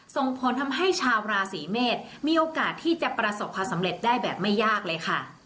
ส่งผลทำให้ชาวราศีเมษมีโอกาสที่จะประสบความสำเร็จได้แบบไม่ยากเลยค่ะ